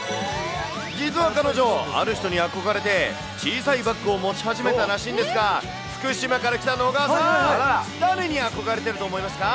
実は彼女、ある人に憧れて、小さいバックを持ち始めたらしいんですが、福島から来た直川さん、誰に憧れてると思いますか？